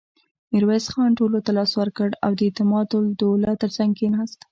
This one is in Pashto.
ميرويس خان ټولو ته لاس ورکړ او د اعتماد الدوله تر څنګ کېناست.